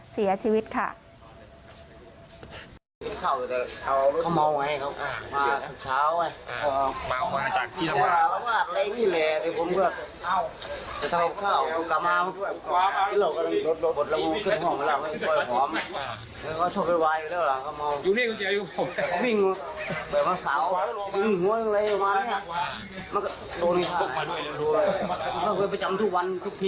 เสียชีวิตค่ะ